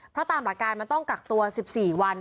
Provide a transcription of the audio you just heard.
เพราะตามหลักการมันต้องกักตัว๑๔วัน